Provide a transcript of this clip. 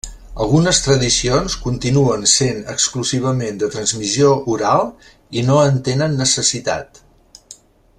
Algunes tradicions continuen essent exclusivament de transmissió oral i no en tenen necessitat.